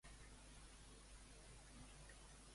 Dels Gossos quins temes són els que em posen feliç?